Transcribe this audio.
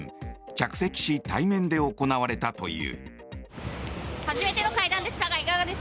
着席し対面で行われたという。